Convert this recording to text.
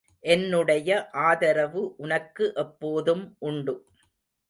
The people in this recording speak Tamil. என்னுடைய ஆதரவு உனக்கு எப்போதும் உண்டு.